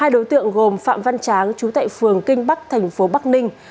hai đối tượng gồm phạm văn tráng chú tệ phường kinh bắc thành phố bắc ninh